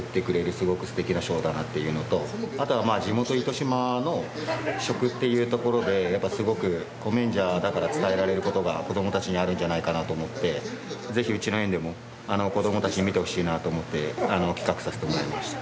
すごく素敵なショーだなっていうのとあとはまあ地元糸島の食っていうところですごくコメンジャーだから伝えられることが子どもたちにあるんじゃないかなと思ってぜひうちの園でも子どもたちに見てほしいなと思って企画させてもらいました。